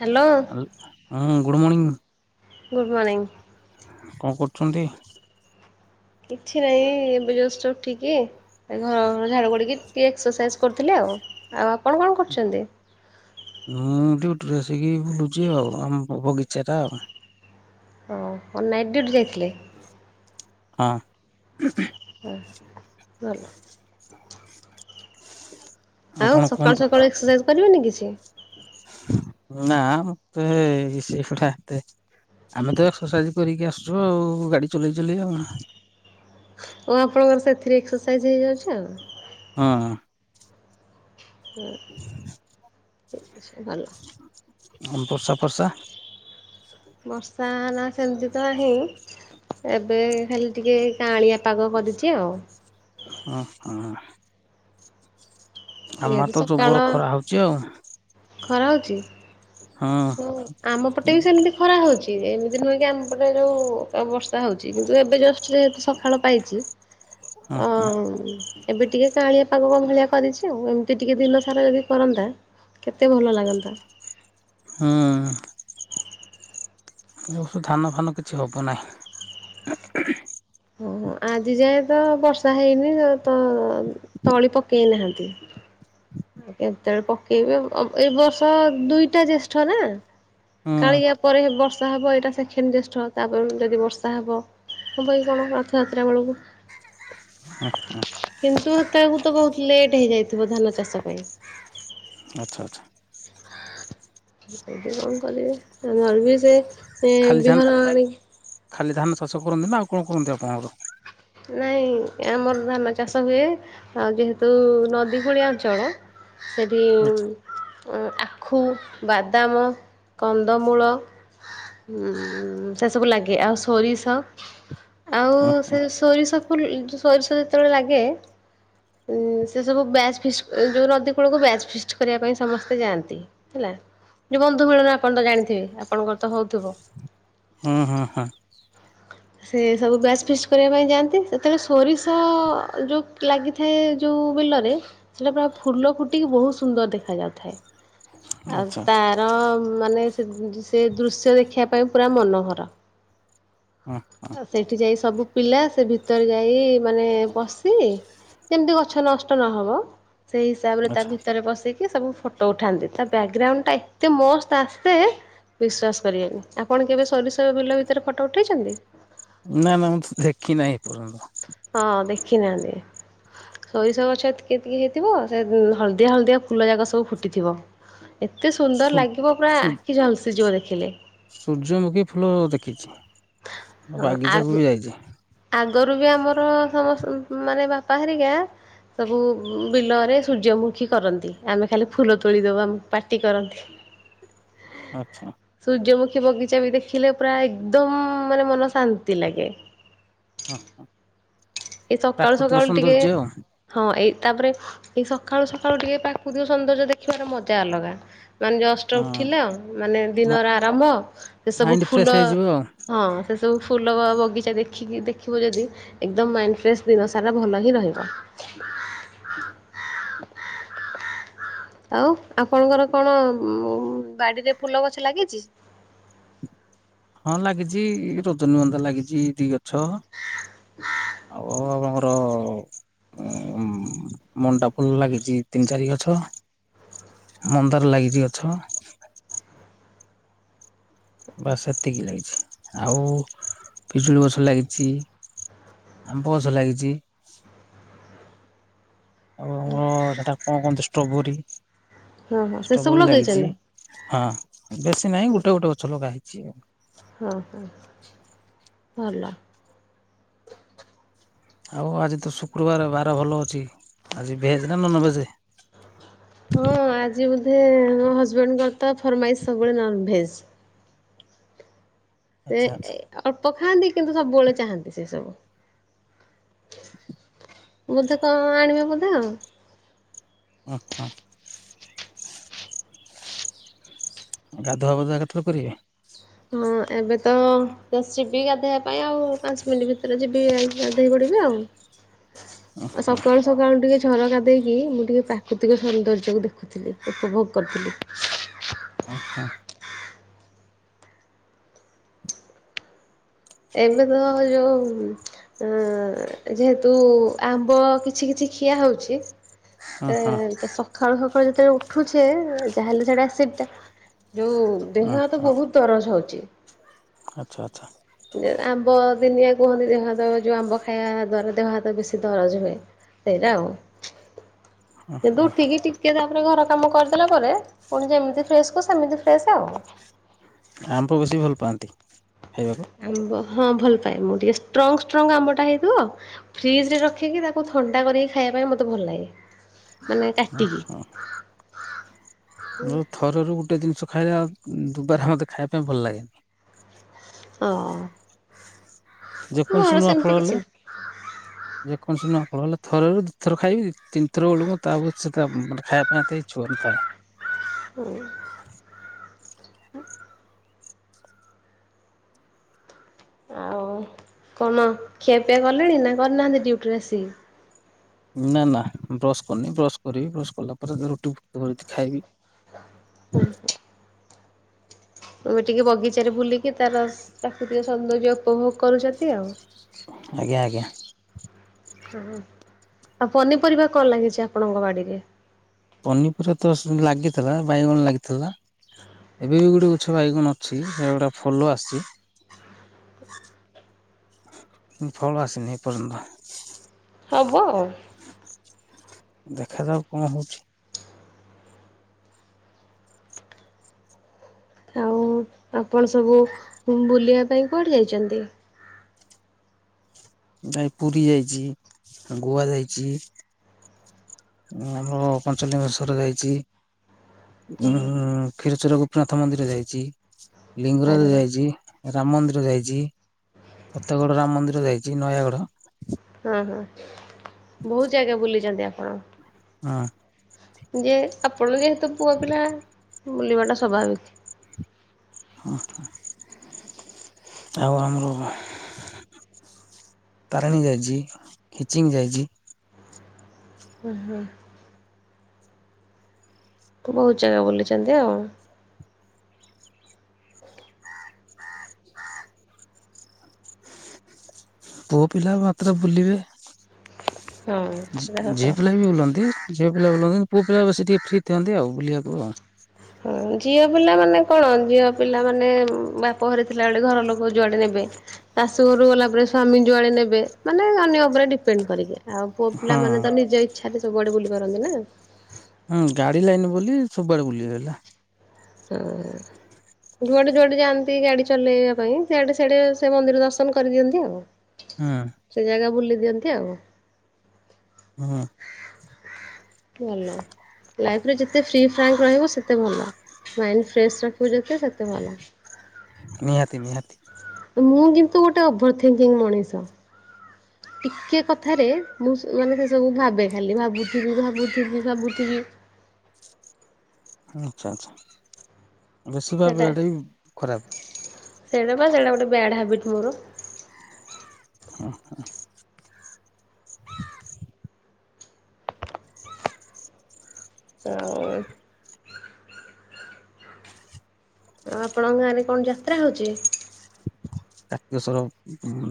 Hello ହ ହଁ good morning good morning. କଣ କରୁଛନ୍ତି? କିଛି ନାଇଁ, ଏବେ ଟିକେ ଉଠିକି ଘର ଝାଡୁ କରିକି ଟିକେ ଏକ୍ସସାଇଜ କରୁଥିଲି ଆଉ ହଉ, ଆଉ ଆପଣ କଣ କରୁଛନ୍ତି? ମୁଁ ଡୁଟି ରେ ଆସିକି ବୁଲୁଛି ଆଉ, ଆମ ବଗିଚାରେ ଆଉ ହଁ, କଣ ନାଇଟ୍ ଡ୍ୟୁଟ୍ ଯାଇଥିଲେ? ହଁ। ହଁ ଭଲ ଆଉ କଣ ସକାଳୁ କୁହନ୍ତୁ? ସକାଳୁ ଏକ୍ସରସାଇଜ କରିବେନି କିଛି? ନା, ମୋତେ ସେଗୁଡା ଏତେ ଆମେ ତ ଏକ୍ସରସାଇଜ କରିକି ଆସୁଛୁ ଆଉ, ଗାଡି ଚଲେଇ ଚଲେଇ ଆଉ ଆପଣଙ୍କର ସେଥିରେ ଏକ୍ସରସାଇଜ୍ ହେଇଯାଉଛି ଆଉ। ହଁ। ହୁଁ ବର୍ଷା ଫର୍ସା ବର୍ଷା ନା ସେମିତି ତ ହେଇ ଏବେ ଖାଲି ଟିକେ କାଳିଆ ପାଗ କରିଚି ଆଉ ଓହ। ଆମ ଯେହେତୁ ତ ସକାଳ ଜବର ଖରା ହଉଛି ଆଉ ଖରା ହଉଛି ହଁ ଆମ ପଟେ ବି ସେମିତି ଖରା ହଉଛି। ଏମିତି ନୁହେଁ କି ଆମପଟେ ଯୋଉ ବର୍ଷା ହଉଛି କିନ୍ତୁ ଏବେ ଜଷ୍ଟ ଯେହେତୁ ସକାଳ ପାଇଛି ହଁ ଅ ଅ ହଁ ଉଁ ଏବେ ଟିକେ କାଳିଆ ପାଗ କ ଭଳିଆ କରିଛି ଆଉ ଏମିତି ଟିକେ ଦିନ ସାରା ଯଦି କରନ୍ତା? କେତେ ଭଲ ଲାଗନ୍ତା। ହଁ। ଏ ବଷଧାନ ଫାନ କିଛି ହବ ନାହିଁ। ଓହୋ ଆଜି ଯାଏ ତ ବର୍ଷା ହେଇନି ତ ତଳି ପକେଇନାହାନ୍ତି। [inaudible] କେତେବେଳେ ପକେଇବେ ଏ ବର୍ଷ ଦୁଇଟା ଜ୍ୟେଷ୍ଠ ନା‌। ହୁଁ କାଳିଆ ପରେ ବର୍ଷା ହବ ଏଇଟା ସେଖନ ଜ୍ୟେଷ୍ଠ ତାପରେ ଯଦି ବର୍ଷା ହବ। ହବକି କଣ ରଥଯାତ୍ରା ବେଳକୁ ହଁ ହଁ। କିନ୍ତୁ ହେତେ ବେଳକୁ ବହୁତ ଲେଟ ହେଇଯାଇଥିବ ଧାନ ଚାଷ ପାଇଁ। ଆଚ୍ଛା ଆଚ୍ଛା। କଣ [unintelligible] କରିବେ [unintelligible] ସେ ଏ ଖାଲି ଧାନ ବିହନ ଆଣିକି ଖାଲି ଧାନ ଚାଷ କରନ୍ତି ନା ଆଉ କଣ କରନ୍ତି ଆପଣଙ୍କର? ନାଇଁ ଆମର ଧାନ ଚାଷ ହୁଏ ଯେହେତୁ ନଦୀ ଭଳିଆ ଅଞ୍ଚଳ। ସେଇଠୁ ଆଚ୍ଛା ଉଁ ଆଖୁ, ବାଦାମ, କନ୍ଦମୂଳ ଉଁ ସେ ସବୁ ଲାଗେ ଆଉ ସୋରିଷ ଆଉ ହୁଁ ସେ ହୁଁ ସୋରିଷକୁ [unintelligible] ସୋରିଷ ଯେତେବେଳେ ଲାଗେ ଉଁ ସେ ସବୁ ବ୍ୟାଚ ଫିଷ୍ଟ ଏ ଯୋଉ ନଦୀ କୂଳକୁ ବ୍ୟାଚ ଫିଷ୍ଟ କରିବା ପାଇଁ ସମସ୍ତେ ଯାଆନ୍ତି ହେଲା ଯୋଉ ବନ୍ଧୁ ମିଳନ ଆପଣ ତ ଜାଣିଥିବେ ଆପଣଙ୍କର ତ ହଉଥିବ। ହୁଁ- ହୁଁ -ହଁ। ସେ ସବୁ ବ୍ୟାଚ ଫିଷ୍ଟ କରିବା ପାଇଁ ଯାଆନ୍ତି ସେତେବେଳେ ସୋରିଷ ଯୋଉ ଲାଗିଥାଏ, ଯୋଉ ଫୁଲରେ ସେଟା ପୁରା ଫୁଲ ଫୁଟିକି ବହୁତ ସୁନ୍ଦର ଦେଖାଯାଉଥାଏ। ଆଉ ଆଚ୍ଛା ଆଚ୍ଛା ତାର ମାନେ ସେ ସେ ଦୁ ଦୃଶ୍ୟ ଦେଖିବା ପାଇଁ ପୁରା ମନୋହର। ଆଉ ସେଇଠି ଯାଇ ସବୁ ପିଲା ସେ ଭିତରେ ଯାଇ ମାନେ ପଶି ଯେମିତି ଗଛ ନଷ୍ଟ ନହବ ସେଇ ହିସାବରେ ତା ଆଚ୍ଛା ଭିତରେ ପଶିକି ସବୁ ଫଟୋ ଉଠାନ୍ତି, ତା ବ୍ୟାକଗ୍ରାଉଣ୍ଡ ଟା ଏତେ ମସ୍ତ ଆସେ ବିଶ୍ଵାସ କରିବେନି। ଆପଣ କେବେ ସୋରିଷ ବିଲ ଭିତରେ ଫଟୋ ଉଠେଇଛନ୍ତି? ନା ନା ମୁଁ ତ ଦେଖି ନାହିଁ ଏପର୍ଯ୍ୟନ୍ତ। ହଁ ଦେଖିନାହାନ୍ତି। ସୋରିଷ ଗଛ ତିକେ ତିକେ ହେଇଥିବ, ସେ [inaudible] ହଳଦିଆ, ହଳଦିଆ ଫୁଲ ଯାକ ସବୁ ଫୁଟିଥିବ। ଏତେ ସୁ ସୁନ୍ଦର ଲାଗିବ ପୁରା ସୁ ଆଖି ଝଲ୍ସିଯିବ ଦେଖିଲେ। ସୂର୍ଯ୍ୟମୁଖୀ ଫୁଲ ଦେଖିଛି, ବାଗିଚାକୁ ବି ଯାଇଚି। ଗୋରୁ ବି ଆମର ସବୁସଂ, ମାନେ ବାପା ହେରିକା ସବୁ ବିଲରେ ସୂର୍ଯ୍ୟମୁଖୀ କରନ୍ତି, ଆମେ ଖାଲି ଫୁଲ ତୋଳି ଦବାମ୍ ପାଟି କରନ୍ତି। ଆଚ୍ଛା। ଖୀ, ବଗିଚା ବି ଦେଖିଲେ ପୁରା ଏକଦମଂ ମାନେ ମନ ଶାନ୍ତି ଲାଗେ। ହ, ହ। ଏଇ ସକାଳୁ ସକାଳୁ ଟିକେ, ହଁ, ଏଇ ତାପରେ, ଏଇ ସକାଳୁ ସକାଳୁ ଟିକେ ପାକୁତିକ ସୌନ୍ଦର୍ଯ୍ୟ ଦେଖିବାର ମଜା ଅଲଗା। ମାନେ ଜଷ୍ଟ ହଁ ଉଠିଲାଉ, ମାନେ ମା ଦିନର ଆରମ୍ଭ ସେସବୁ ମାଇଣ୍ଡ ଫୁଲ ଫ୍ରେଶ ହେଇଯିବ ଆଉ। ହଁ, ସେ ସବୁ ଫୁଲ ବା ବଗିଚା ଦେଖିକି ଦେଖିବୁ, ଯଦି ଏକଦମ୍ ମାଇଣ୍ଡ ଫ୍ରେସ୍ ଦିନ ସାରା ଭଲ ହିଁ ରହିବ। [unintelligible] ଆଉ ଆପଣଙ୍କର କଣ ମଂ ବାଡି଼ରେ ଫୁଲ ଗଛ ଲାଗିଚି? ହଁ ଲାଗିଛି, ରୋଜନୀ ଗନ୍ଧା ଲାଗିଛି ଦି ଗ ଛ। [unintelligible] ଟ, ମଣ୍ଡା ଫୁଲ୍ ଲାଗିଚି ତିନ୍, ଚାରି ଗଛ। ମନ୍ଦାର ଲାଗିଚି ଗଛ। ବାସ୍ ସେତିକି ଲାଗିଛି, ଆଉ ପିଜୁଳି ଗଛ ଲାଗିଛି। ଆମ୍ବ ଗଛ ଲାଗିଚି। ଆଉ ଆମର ସେଟା କଣ କହନ୍ତି ଷ୍ଟବରୀ। ହଁ ହଁ ସେ ସବୁ ଷ୍ଟବରି ଲାଗିଚି ଲଗେଇଛନ୍ତି ହଁ ବେଶୀ ନାହିଁ ଗୋଟେ ଗୋଟେ ଗଛ ଲଗା ହେଇଛି ଆଉ। ହଁ ହଁ ଭଲ। ଆଉ ଆଜି ତ ଶୁକ୍ରବାର ବାର ଭଲ ଅଛି, ଆଜି ଭେଜ ନା ନନଭେଜେ? ହଁ ଆଜି ବୋଧେ ମୋ ହଜବେଣ୍ଡଙ୍କର ତ ଫରମାଇଶ ସବୁବେଳେ ନନଭେଜ। ସେ ଏ ଆଚ୍ଛା - ଆଚ୍ଛା ଏ - ଆପ [unintelligible] କିନ୍ତୁ ସବୁବେଳେ ଚାହାନ୍ତି ସେ ସବୁ। ଆଚ୍ଛା ବୋଧେ କଣ କଣ ଆଣିବେ ବୋଧେ ଆଉ? ହଁ। ଗାଧୁଆ ପାଧୁଆ କେତେବେଳେ କରିବେ? ହଁ ଏବେ ତ ବେଶୀ ବିି ଗାଧେଆ ପାଇଁ ଆଉ ପାଞ୍ଚ ମିନିଟ୍ ଭିତରେ ଯିବି ଯାଇକି ଗାଧେଇ ପଡ଼ିବି ଆଉ। ଆ ହଁ ସକାଳୁ-ସକାଳୁ ଟିକେ ଝରକା ଦେଇକି ମୁଁ ଟିକିଏ ପ୍ରାକୃତିକ ସୌନ୍ଦର୍ଯ୍ୟକୁ ଦେଖୁଥିଲି ଉପଭୋଗ କରୁଥିଲି। ଓ ହୋ। ଏବେ ତ ଯୋଉ ଅ ଯେହେତୁ ଆମ୍ବ କିଛି କିଛି ଖିଆ ହଉଛି ହଁ ହଁ ତା-ତା ସଖାଳୁ ସକାଳୁ ଯେତେବେଳେ ଉଠୁଛେ ଯାହା ହେଲେ ସେଟା ଆସି ଟା। ଯୋଉଁ ଦେହ ହାତ ବହୁତ୍ ଦରଜ୍ ହଉଚି। ଆଚ୍ଛା-ଆଚ୍ଛା। ଆମ୍ବ ଦିନିଆ କୁହନ୍ତି ଦେହ ହାତ ଯୋଉ ଆମ୍ବ ଖାଇବା ଦ୍ଵାରା ଦେହ ହାତ ବେଶୀ ଦରଜ ହୁଏ। ସେଇରା ଉ। ହଁ କିନ୍ତୁ ହଁ ଉଠିକି ଟିକେ ତାପରେ ଘର କାମ କରିଦେଲା ପରେ ପୁଣି ଯେମିତି ଫ୍ରେଶ କୁ ସେମିତି ଫ୍ରେଶ ଆଉ। ଆମ୍ବ ବେଶି ଭଲ ପାଆନ୍ତି। ହେଇବାକୁ। ଆମ୍ବ ହଁ ଭଲ ପାାଏ ମୁଁ ଟିକେ ଷ୍ଟ୍ରଙ୍ଗ୍ ଷ୍ଟ୍ରଙ୍ଗ୍ ଆମଟା ହେଇଥିବ ଫ୍ରିଜ୍ ରେ ରଖିକି ତାକୁ ଥଣ୍ଡା କରିକି ଖାଇଆ ଖାଇବା ପାଇଁ ମତେ ଭଲ ଲାଗେ, ମାନେ କାଟିକି ମୁଁ ଥରରୁ ଗୋଟେ ଦିନ୍ଷ ଖାଇଲା ଦୁବାରା ମୋତେ ଖାଇବା ପାଇଁ ଭଲ ଲାଗେନି। ହଁ। ଯେକୌଣସି ମୋର ନୂଆ ସେମିତି ଫଳ କିଛି ହେଲେ ନାହିଁ ଯେକୌଣସି ନ ଫଳ ହେଲେ ଥରରୁ ଦିଥର ଖାଇବି ତିନ୍ ଥର ବେଳକୁ ତା ସେ ମାନେ ଖାଇବା ପାଇଁ ଏତେ ଇଛୁକ ନ ଥାଏ। [inaudible] ଆଉ କନ ଖିଆପିଆ କଲେଣି ନା କରିନାହାନ୍ତି ଡ୍ୟୁଟିରେ ଆସିକି? ନା ନା ବ୍ରସ୍ କରନି ବ୍ରସ୍ କରିବି ବ୍ରସ୍ କଲା ପରେ ରୁଟି [unintelligible] ଖାଇବି। ହୁଁ। [inaudible] ଆମେ ଟିକେ ବଗିଚାରେ ବୁଲିକି ତାର ପ୍ରାକୃତିକ ସୌନ୍ଦର୍ଯ୍ୟ ଉପଭୋଗ କରୁଛନ୍ତି ଆଉ ଆଜ୍ଞା-ଆଜ୍ଞା। ଉଂ ଆଉ ପନିପରିବା କଣ ଲାଗିଛି ଆପଣଙ୍କ ବାଡିରେ? ପନିପରିବା ତ ସ ଲାଗିଥିଲା ବାଇଗଣ ଲାଗିଥିଲା। ଏବେ ବି ଗୋଟେ ଉଛ ବାଇଗଣ ଅଛି ଏଗୁଡା ଫଲ ଆସ୍ ଛି। ଫଳ ଆସି ନେଇଁ ଏପର୍ଯ୍ୟନ୍ତ। ହବ ଅ ଦେଖାଯାଉ କଁ ହଉଛି। ଆଉ ଆପଣ ସବୁ ବୁଲିଆ ପାଇଁ କୁଆଡେ ଯାଇଛନ୍ତି? [inaudible] ଭାଇ ପୁରୀ ଯାଇଛି ଗୁଆ ଯାଇଛି। ଆମର ପଞ୍ଚଲିଙ୍ଗେଶ୍ୱର ଯାଇଛି। ଉଁଁ କ୍ଷୀରଚରା ଗୋପୀନାଥ ମନ୍ଦିର ଯାଇଛି। ଆରେ ଲିଙ୍ଗରାଜ ବା ଯାଇଛି, ରାମ ମନ୍ଦିର ଯାଇଛି, ଫତଗଡ ରାମ ମନ୍ଦିର ଯାଇ କି ନୟାଗଡ଼ ହଁ-ହଁ ବହୁତ୍ ଜାଗା ବୁଲିଛନ୍ତି ଆପଣ। ହଁ ଯେ ଆପଣ ଯେହେତୁ ପୁଅ ପିଲା ବୁଲିବାଟା ସ୍ୱାଭାବିକ୍। ଆଉ ଆମ [unintelligible] ତାରିଣୀ ଯାଇଛି, ଖିଚିଙ୍ଗ୍ ଯାଇଛି। ହୁ-ହୁ। ତୁ ବହୁତ୍ ଜାଗା ବୁଲିଛନ୍ତି ଆଉ। [inaudible] ପୁଅ ପିଲା ମାତ୍ର ବୁଲିବେ। ହଁ ସେଟା ସତ କଥା। ଝି-ଝି୍ଅପିଲା ବି ବୁଲନ୍ତି। ଝିଅପିଲ ବୁଲନି ପୁଅ ପିଲା ବେସି ଟିକେ ଫ୍ରି ଥାନ୍ତି ଆଉ ବୁଲିବାକୁ ଆଉ ହଁ ଝିଅ ପିଲା ମାନେ କଣ ଝିଅ ପିଲା ମାନେ ବାପଘରେ ଥିଲା ବେଳେ ଘର ଲୋକ ଯୁଆଡେ ନା ଶାଶୁ ଘରୁ ଗଲା ପରେ ସ୍ୱାମୀ ଯୁଆଡ଼େ ନେବେ ମାନେ ଅନ୍ୟ ଉପରେ ଡିପେଣ୍ଡ କରିବେ। ଆଉ ପୁଅ ହଁ ପିଲାମାନେ ତ ନିଜ ଇଚ୍ଛାରେ ସବୁଆଡେ ବୁଲି ପାରନ୍ତି ନା। ହୁଁ ଗାଡି ଲାଇନ ବୋଲି ସବୁଆଡେ ବୁଲିବେ ହେଲା। ହୁଁ। ଯୁଆଡ଼େ ଯୁଆଡ଼େ ଯାଆନ୍ତି ଗାଡି ଚଲେଇବା ପାଇଁ ସିଆଡ଼େ ସିଆଡ଼େ ସେ ମନ୍ଦିର ଦର୍ଶନ କରି ଦିଅନ୍ତି ଆଉ। ସେ ଜାଗା ବୁଲି ଦିଅନ୍ତି ଆଉ। ହଁ। ଭଲ ଲାଇଫରେ ଯେତେ ଫ୍ରି ଫ୍ରାଙ୍କ ରହିବ ସେତେ ଭଲ ମାଇଣ୍ଡ ଫ୍ରେସ୍ ରଖିବ ଯଦି କେତେ ସତେ ଭଲ। ନିହାତି ନିହାତି ମୁଁ କିନ୍ତୁ ଗୋଟେ ଓଭର ଥିଙ୍କିଙ୍ଗ ମଣିଷ। ଟିକେ କଥାରେ ମୁଁ ସେ ମାନେ ସେସବୁ ଭାବେ ଖାଲି ଭାବୁଥିବି ଭାବୁଥିବି ଭାବୁଥିବି। ଆଚ୍ଛା ଆଚ୍ଛା ବେଶି ସେଟା ଭାବିଟା ବି ଖରାପ। ସେଇଟା ବା ସେଇଟା ଗୋଟେ ବ୍ୟାଡ୍ ହାବିଟ୍ ମୋର। ହୁଁ ହୁଁ। ଆଉ। ଆଉ ଆପଣଙ୍କ ଗାଁରେ କଣ ଯାତ୍ରା ହେଉଛି? କାର୍ତ୍ତୀକଶ୍ୱର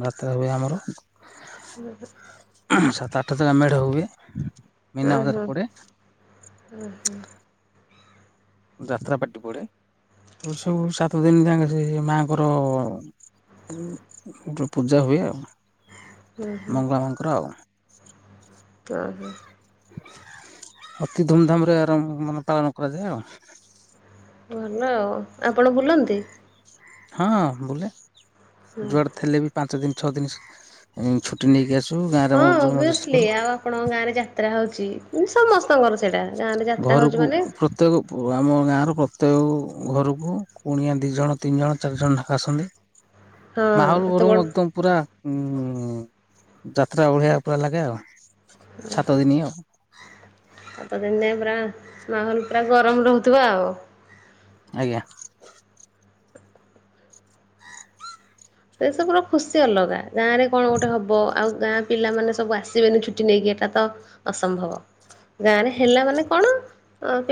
ଯାତ୍ରା ହୁଏ ଆମର। [inaudible] ସାତ ଆଠ ଥଳ ମେଢ ହୁଏ, ମିନାବଜାର ପଡ଼େ। ଉହୁଁ। ଯାତ୍ରା ପାର୍ଟି ପଡେ ସବୁ ସାତ ଦିନ ଯାକେ ସେ ମାଆଙ୍କର ଗୋଟେ ପୂଜା ହୁଏ ଆଉ ହଁ ମଙ୍ଗଳା ମାଙ୍କର ଆଉ ଓ ହୋ। ଅତି ଧୁମଧାମରେ ଆର ମାନେ ପାଳନ କରାଯାଏ ଆଉ। ଭଲ ଆଉ ଆପଣ ବୁଲନ୍ତି? ହଁ ବୁଲେ ହୁଁ। ଯୁଆଡ଼େ ଥିଲେ ବି ପାଞ୍ଚ ଦିନ ଛଅ ଦିନ ସ ଉଁ ଛୁ ହଁ ଅଭିଅସଲି ଆଉ ଆପଣଙ୍କ ଗାଁ ରେ ଯାତ୍ରା ହଉଛି ସମସ୍ତଙ୍କର ସେଇଟା ଗାଁରେ ଯାତ୍ରା ହଉଛି ଘରକୁ ମାନେ ପ୍ରତ୍ୟେକ ଆମ ଗାଁ ର ପ୍ର ପ୍ରତେକ ଘରକୁ କୁଣିଆ ଦିଇ ଜଣ ତିନି ଜଣ ଚାରି ଜଣ ଲଖା ଆସନ୍ତି। ହଁ ମାହୋଲ ଏତେ ବଡ ଗରମ ଏକଦମ ପୁରା। ହୁଁ ହୁଁ ଯାତ୍ରା ଭଳିଆ ପୁରା ଲାଗେ ଆଉ। ଓହଁ ସାତ ଦିନ ଆଉ ସାତ ଦିନ ଯାଏଁ। ପରା ମାହଲ ପୁରା ଗରମ ରହୁଥିବ ଆଉ। ଆଜ୍ଞା। ଏସବୁର ଖୁସି ଅଲଗା ଗାଁରେ କଣ ଗୋଟେ ହବ ଆଉ ଗାଁ ପିଲାମାନେ ସବୁ ଆସିବେନି ଛୁଟି ନେଇକି ଏଇଟା ତ ଅସମ୍ଭବ। ଗାଁ ରେ ହେଲା ମାନେ କଣ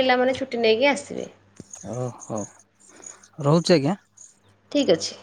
ପିଲାମାନେ ଛୁଟି ନେଇକି ଆସିବେ। ଓହୋ ରହୁଛି ଆଜ୍ଞା। ଠିକ୍ ଅଛି।